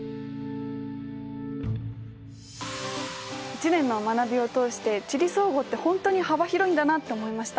一年の学びを通して「地理総合」って本当に幅広いんだなって思いました。